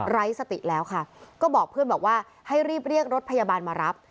สติแล้วค่ะก็บอกเพื่อนบอกว่าให้รีบเรียกรถพยาบาลมารับ